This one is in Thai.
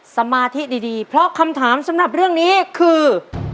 สมาธิดีเพราะคำถามสำหรับเรื่องนี้คือ